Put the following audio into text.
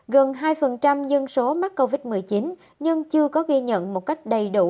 gần hai dân số mắc covid một mươi chín nhưng chưa có ghi nhận một cách đầy đủ